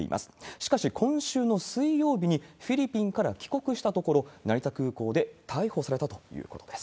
しかし、今週の水曜日にフィリピンから帰国したところ、成田空港で逮捕されたということです。